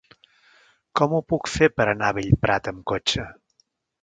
Com ho puc fer per anar a Bellprat amb cotxe?